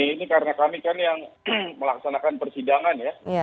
ini karena kami kan yang melaksanakan persidangan ya